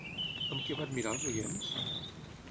Amb què va admirar als oients?